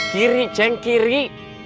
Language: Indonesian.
kiri ceng kiri